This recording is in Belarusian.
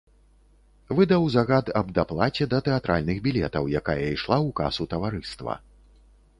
Выдаў загад аб даплаце да тэатральных білетаў, якая ішла ў касу таварыства.